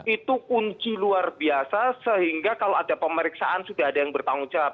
itu kunci luar biasa sehingga kalau ada pemeriksaan sudah ada yang bertanggung jawab